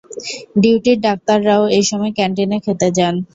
ডিউটির ডাক্তাররাও এই সময় ক্যান্টিনে খেতে যান।